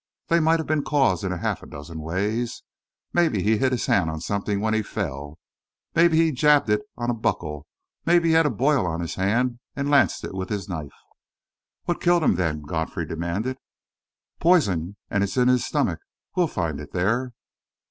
They might have been caused in half a dozen ways. Maybe he hit his hand on something when he fell; maybe he jabbed it on a buckle; maybe he had a boil on his hand and lanced it with his knife." "What killed him, then?" Godfrey demanded. "Poison and it's in his stomach. We'll find it there."